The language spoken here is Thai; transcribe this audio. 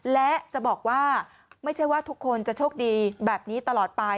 และจะบอกว่าไม่ใช่ว่าทุกคนจะโชคดีแบบนี้ตลอดไป